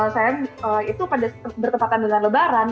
saya itu pada bertempatan dengan lebaran